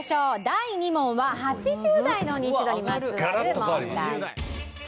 第２問は８０代のニンチドにまつわる問題。